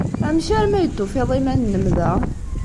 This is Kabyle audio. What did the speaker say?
Amek armi ay d-tufiḍ iman-nnem da?